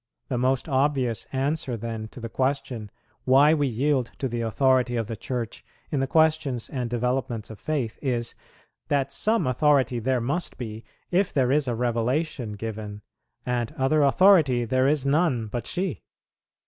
The most obvious answer, then, to the question, why we yield to the authority of the Church in the questions and developments of faith, is, that some authority there must be if there is a revelation given, and other authority there is none but she.